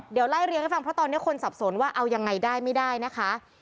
เดี๋ยวไล่เรียงให้ฟังเพราะตอนนี้คนสับสนว่าเอายังไงได้ไม่ได้นะคะ